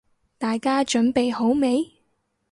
大家準備好未？